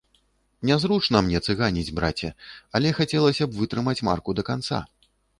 Нязручна мне цыганіць, браце, але хацелася б вытрымаць марку да канца.